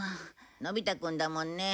のび太くんだもんね。